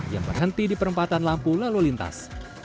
yang berhenti di perempatan lampu lalu lintas